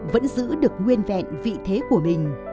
vẫn giữ được nguyên vẹn vị thế của mình